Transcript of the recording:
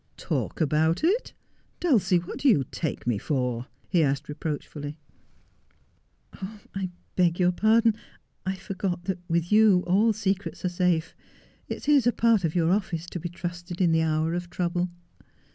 ' Talk about it ! Dulcie, what do you take me for 1 ' he asked reproachfully. ' I beg your pardon. 1 I forgot that with you all secrets are 28 1 Just as I Am. safe. It is a part of your office to be trusted in the hour of trouble.'